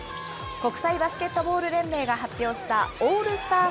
国際バスケットボール連盟が発表したオールスター